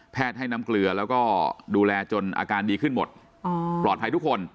ให้น้ำเกลือแล้วก็ดูแลจนอาการดีขึ้นหมดปลอดภัยทุกคน